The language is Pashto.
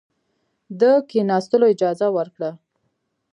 د کښېنستلو اجازه ورکړه.